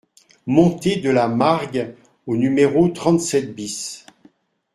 Montee de la Margue au numéro trente-sept BIS